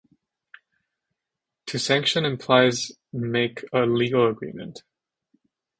To sanction implies make a legal agreement.